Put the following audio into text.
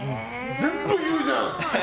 全部言うじゃん！